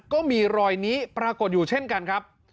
ก็มีรอยนี้ปรากฏอยู่เช่นกันครับ